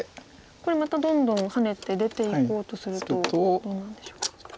これまたどんどんハネて出ていこうとするとどうなんでしょうか。